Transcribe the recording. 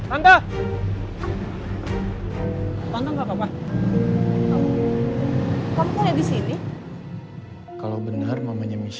aku percaya kan sama ibu